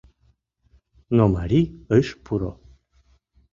Но марий ыш пуро.